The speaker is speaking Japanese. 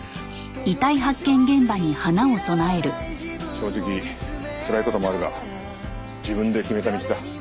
正直つらい事もあるが自分で決めた道だ。